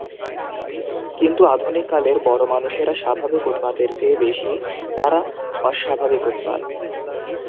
কিন্তু, আধুনিক কালের বড়োমানুষরা স্বাভাবিক উৎপাতের চেয়ে বেশি, তারা অস্বাভাবিক উৎপাত।